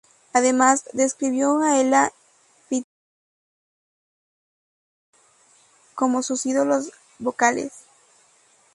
Además, describió a Ella Fitzgerald y Peggy Lee como sus ídolos vocales.